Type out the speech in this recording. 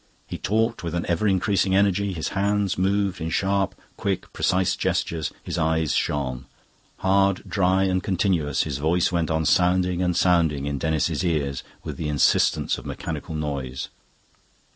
He talked with an ever increasing energy, his hands moved in sharp, quick, precise gestures, his eyes shone. Hard, dry, and continuous, his voice went on sounding and sounding in Denis's ears with the insistence of a mechanical noise.